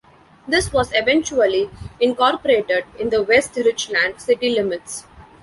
This was eventually incorporated in the West Richland City limits.